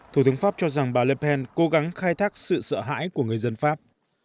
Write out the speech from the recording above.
thủ tướng pháp cho rằng bà le pen cố gắng khai thác sự sợ hãi của người dân pháp